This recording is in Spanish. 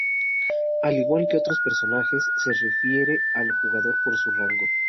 Al igual que otros personajes, se refiere al jugador por su rango.